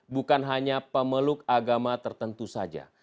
bukan hanya pemeluk agama tertentu saja